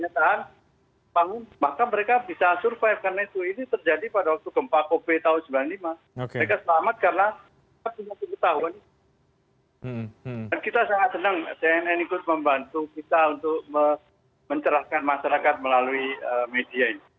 dan kita sangat senang cnn ikut membantu kita untuk mencerahkan masyarakat melalui media ini